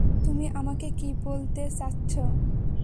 তুমি আমাকে কি বলতে চাচ্ছো?